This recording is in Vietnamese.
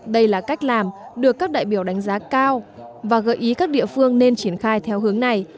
đây là cách làm được các đại biểu đánh giá cao và gợi ý các địa phương nên triển khai theo hướng này